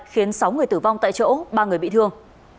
khiến sáu người tử vong tại chỗ ba người bị thương